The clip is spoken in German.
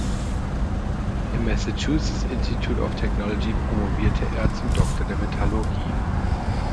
Im Massachusetts Institute of Technology promovierte er zum Doktor der Metallurgie.